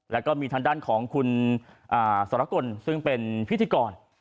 แล้วก็มีทางด้านของคุณสรกลซึ่งเป็นพิธีกร